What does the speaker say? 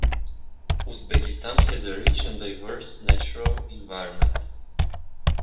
Uzbekistan has a rich and diverse natural environment.